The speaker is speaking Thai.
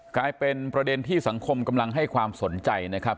กลายเป็นประเด็นที่สังคมกำลังให้ความสนใจนะครับ